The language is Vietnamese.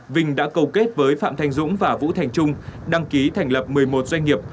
vinh đã cầu kết với phạm thành dũng và vũ thành trung đăng ký thành lập một mươi một doanh nghiệp